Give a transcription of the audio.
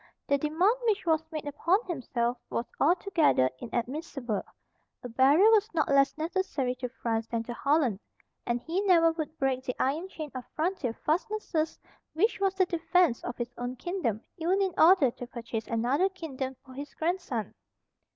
The demand which was made upon himself was altogether inadmissible. A barrier was not less necessary to France than to Holland; and he never would break the iron chain of frontier fastnesses which was the defence of his own kingdom, even in order to purchase another kingdom for his grandson.